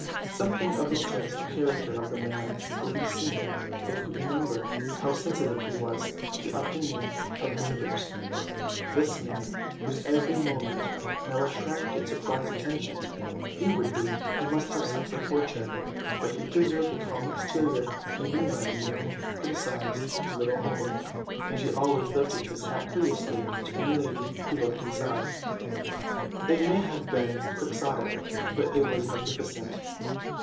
Something of the strength of character of the man will be seen if we remember how sensitive he was to the opinion of neighbours: this man whose every movement now attracted surprised attention. Inwardly he must have suffered torture; but he preserved a calm exterior even when the young criticised his little home, and he always lifted his hat courteously to any lady who looked inside. It may have been Quixotic, but it was magnificent.